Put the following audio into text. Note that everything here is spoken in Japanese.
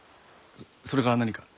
それが何か？